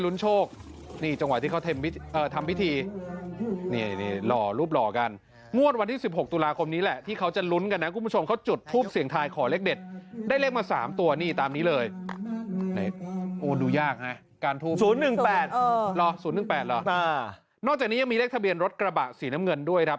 นอกจากนี้ยังมีเลขทะเบียนรถกระบะสีน้ำเงินด้วยครับ